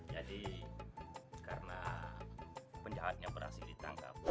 jadi karena penjahatnya berhasil ditangkap